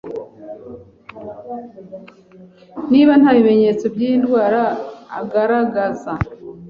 niba nta bimenyetso by'iyi ndwara agaragaza